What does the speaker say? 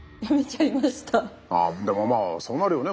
あでもまあそうなるよね。